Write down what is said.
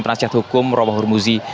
tim rakyat hukum roboh hormuzi